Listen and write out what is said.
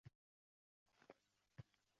Gullar haqida so‘zlashga qaror qildik.